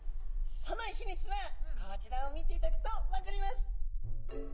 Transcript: その秘密はこちらを見ていただくと分かります。